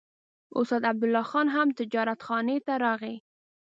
استاد عبدالله خان هم تجارتخانې ته راغی.